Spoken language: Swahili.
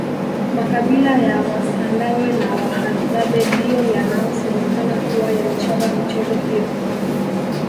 makabila ya wasandawe na wahadzabe ndiyo yanaosemekana kuwa yalichora michoro hiyo